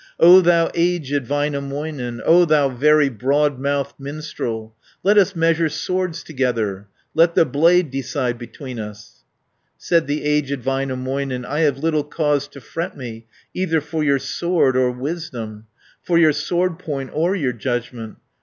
O thou aged Väinämöinen, O thou very broad mouthed minstrel, 260 Let us measure swords together, Let the blade decide between us." Said the aged Väinämöinen, "I have little cause to fret me Either for your sword or wisdom, For your sword point or your judgment.